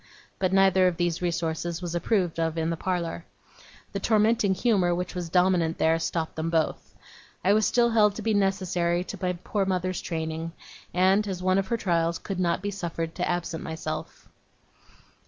But neither of these resources was approved of in the parlour. The tormenting humour which was dominant there stopped them both. I was still held to be necessary to my poor mother's training, and, as one of her trials, could not be suffered to absent myself.